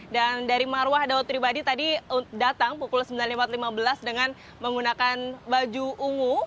dan dari mar wah daud pribadi tadi datang pukul sembilan lima belas dengan menggunakan baju ungu